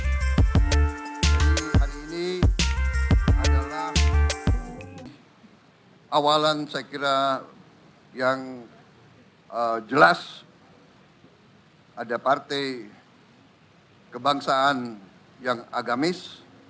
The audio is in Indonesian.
jadi hari ini adalah awalan saya kira yang jelas ada partai kebangsaan yang agamis